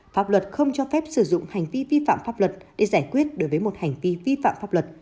pháp luật không cho phép sử dụng hành vi vi phạm pháp luật để giải quyết đối với một hành vi vi phạm pháp luật